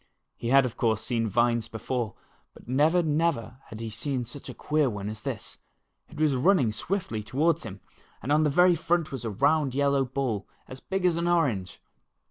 He had, of course, seen vines before, but never, never had he seen such a queer one as this. It was running swiftly toward him, and on the very front was a round yellow ball, about as big as an orange